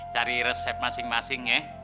cari resep masing masing ya